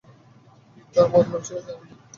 কী তার মতলব ছিল জানি নে।